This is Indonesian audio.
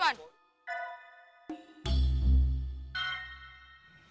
puan pilih pilih pilih